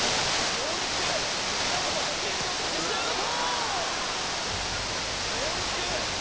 ノールック稲本ヒールで落としてシュート！